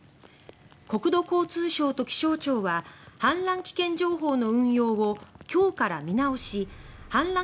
国土交通省と気象庁は氾濫危険情報の運用を今日から見直し氾濫